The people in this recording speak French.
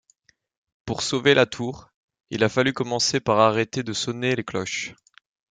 Pour sauver la tour, il a fallu commencer par arrêter de sonner les cloches.